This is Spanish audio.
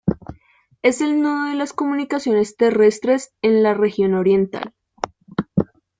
Es el nudo de las comunicaciones terrestres en la región Oriental.